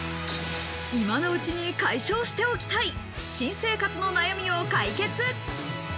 今のうちに解消しておきたい新生活の悩みを解決。